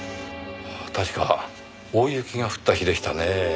確か大雪が降った日でしたねぇ。